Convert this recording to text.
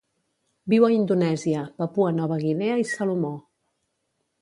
Viu a Indonèsia, Papua Nova Guinea i Salomó.